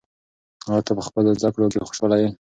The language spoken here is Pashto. آیا ته په خپلو زده کړو کې خوشحاله یې؟